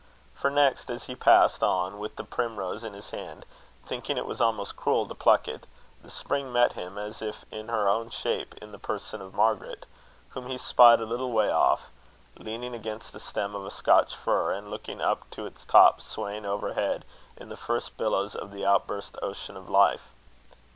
For, next, as he passed on with the primrose in his hand, thinking it was almost cruel to pluck it, the Spring met him, as if in her own shape, in the person of Margaret, whom he spied a little way off, leaning against the stem of a Scotch fir, and looking up to its top swaying overhead in the first billows of the outburst ocean of life.